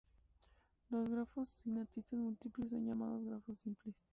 Los grafos sin aristas múltiples son llamados grafos simples.